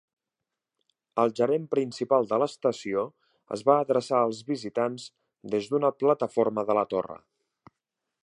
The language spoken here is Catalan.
El gerent principal de l'estació es va adreçar als visitants des d'una plataforma de la torre.